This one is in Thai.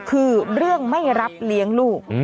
คือเรื่องไม่รับเลี้ยงลูก